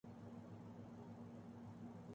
market میں جعلی اور بدکردار لوگوں نے